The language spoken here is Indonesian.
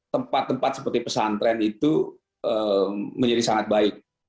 tempat tempat seperti pesantren itu menjadi sangat baik